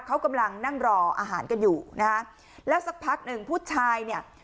เขากำลังนั่งรออาหารกันอยู่นะฮะแล้วสักพักหนึ่งผู้ชายเนี่ย